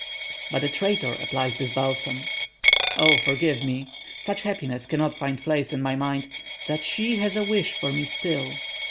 "But a traitor applies this balsam." "Oh, forgive me! Such happiness cannot find place in my mind, that she has a wish for me still."